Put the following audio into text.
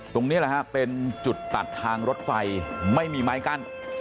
ตรงนี้แหละฮะเป็นจุดตัดทางรถไฟไม่มีไม้กั้น